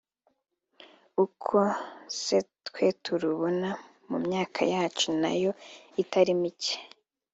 uko se twe turubona mu myaka yacu nayo itari mike